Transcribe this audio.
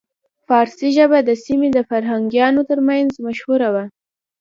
پارسي ژبه د سیمې د فرهنګیانو ترمنځ مشهوره وه